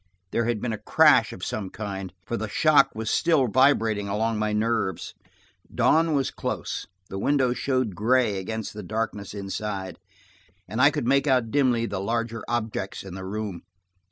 There had been a crash of some kind, for the shock was still vibrating along my nerves. Dawn was close; the window showed gray against the darkness inside, and I could make out dimly the larger objects in the room.